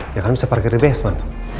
ya kan bisa parkir di basement